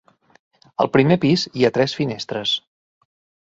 Al primer pis hi ha tres finestres.